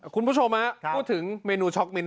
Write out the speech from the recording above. คุณผู้ชมนะครับพูดถึงเมนูช็อกมิ้นท์